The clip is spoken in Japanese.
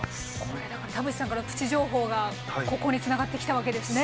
田渕さんからのプチ情報がここにつながってきたわけですね。